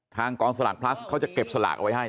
ทางกองสลากพลัสเขาจะเก็บสลากเอาไว้ให้